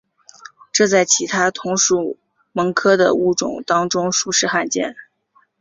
这在其他同属蠓科的物种当中实属罕见。